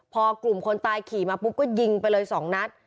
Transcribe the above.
พอกลุ่มคนตายขี่มาปุ๊บก็ยิงไปเลย๒นัด